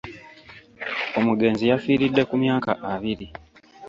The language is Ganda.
Omugenzi yafiiridde ku myaka abiri.